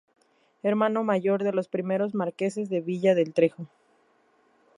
Hermano mayor de los primeros marqueses de Villar del Tajo.